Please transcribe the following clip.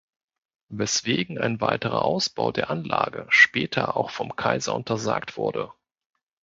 Weswegen ein weiterer Ausbau der Anlage später auch vom Kaiser untersagt wurde.